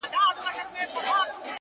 بریا له کوچنیو بریاوو پیلېږي